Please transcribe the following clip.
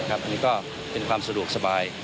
อันนี้ก็เป็นความสะดวกสบาย